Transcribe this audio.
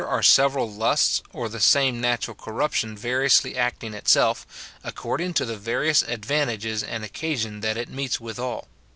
199 are several lusts, or the same natural corruption variously acting itself, according to the various advantages and occasions that it meets withal.